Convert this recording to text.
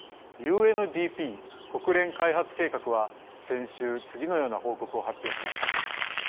ＵＮＤＰ＝国連開発計画は先週次のような報告を発表しました。